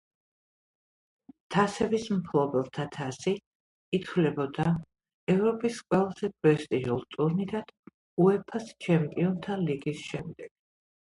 თასების მფლობელთა თასი ითვლებოდა ევროპის ყველაზე პრესტიჟულ ტურნირად უეფა-ს ჩემპიონთა ლიგის შემდეგ.